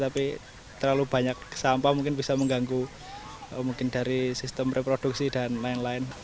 tapi terlalu banyak sampah mungkin bisa mengganggu mungkin dari sistem reproduksi dan lain lain